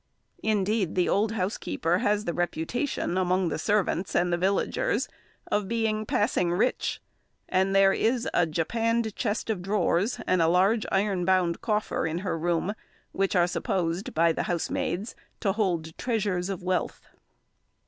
Indeed the old housekeeper has the reputation among the servants and the villagers of being passing rich; and there is a japanned chest of drawers and a large iron bound coffer in her room, which are supposed by the housemaids to hold treasures of wealth.